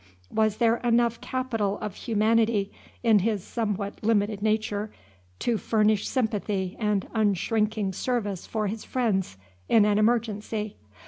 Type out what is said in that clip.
Was there enough capital of humanity in his somewhat limited nature to furnish sympathy and unshrinking service for his friends in an emergency?